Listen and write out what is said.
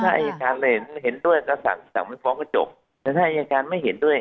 ถ้าอายการเห็นเห็นด้วยก็สั่งสั่งไม่ฟ้องก็จบแต่ถ้าอายการไม่เห็นด้วย